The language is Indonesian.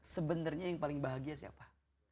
sebenarnya yang paling bahagia siapa